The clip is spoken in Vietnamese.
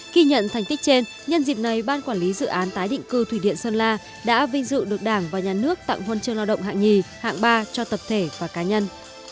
khi nhận thành tích trên nhân dịp này ban quản lý dự án tái định cư thủy điện sơn la đã vinh dự được đảng và nhà nước tặng huân chương lao động hạng nhì hạng ba cho tập thể và cá nhân